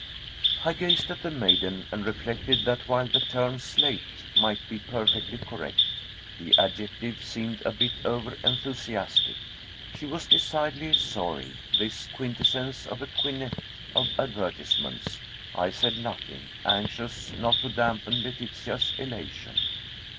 I gazed at the maiden, and reflected that while the term "slate" might be perfectly correct, the adjective seemed a bit over enthusiastic. She was decidely soiled, this quintessence of a quintette of advertisements. I said nothing, anxious not to dampen Letitia's elation.